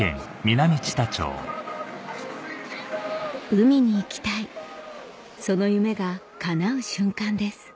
海に行きたいその夢が叶う瞬間です